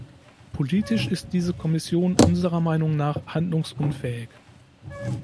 Politisch ist diese Kommission unserer Meinung nach handlungsunfähig.